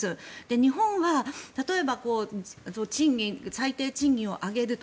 日本は例えば最低賃金を上げると。